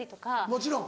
もちろん。